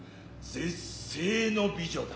絶世の美女だ。